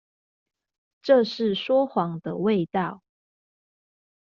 這是說謊的味道